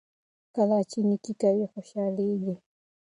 کله چې نیکي کوئ خوشحاله کیږئ.